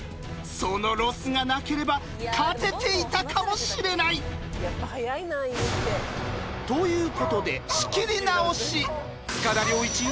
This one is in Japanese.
そのロスがなければ勝てていたかもしれない。ということで塚田僚一